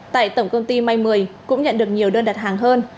tại tổng công ty may một mươi cũng nhận được nhiều đơn đặt hàng hơn